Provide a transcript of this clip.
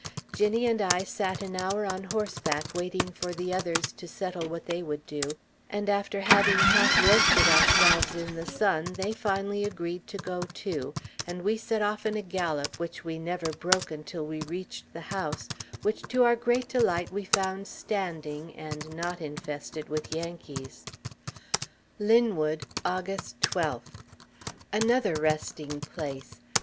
Ginnie and I sat an hour on horseback waiting for the others to settle what they would do; and after having half roasted ourselves in the sun, they finally agreed to go, too, and we set off in a gallop which we never broke until we reached the house, which to our great delight we found standing, and not infested with Yankees. LINWOOD, August 12th. Another resting place!